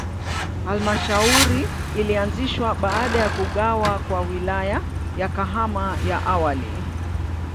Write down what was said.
Halmashauri ilianzishwa baada ya kugawa kwa Wilaya ya Kahama ya awali.